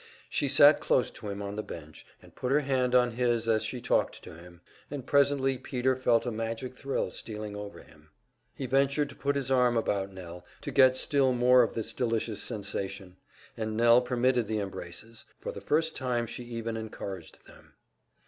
She sat close to him on the bench, and put her hand on his as she talked to him, and presently Peter felt a magic thrill stealing over him. He ventured to put his arm about Nell, to get still more of this delicious sensation; and Nell permitted the embraces, for the first time she even encouraged them.